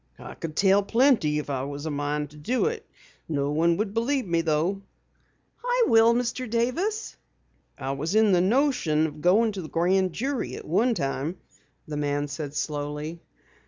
"I could tell plenty if I was a mind to do it. No one would believe me though." "I will, Mr. Davis." "I was in the notion of going to the Grand Jury at one time," the man said slowly.